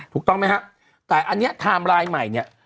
ถูกต้องไหมครับแต่อันนี้ไทม์ไลน์ใหม่เนี่ย